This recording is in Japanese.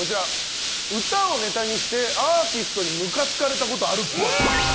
歌をネタにしてアーティストにムカつかれたことあるっぽい。